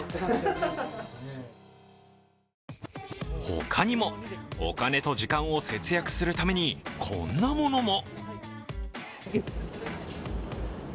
他にも、お金と時間を節約するために、こんなものも。